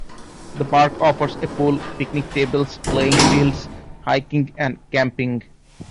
The park offers a pool, picnic tables, playing fields, hiking and camping.